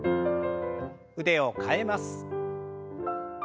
腕を替えます。